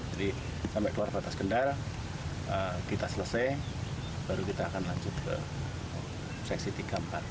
jadi sampai keluar batas kendal kita selesai baru kita akan lanjut ke sisi tiga empat